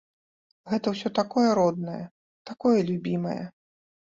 Гэта ўсё такое роднае, такое любімае.